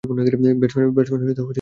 Batman একাকী কাজ করে।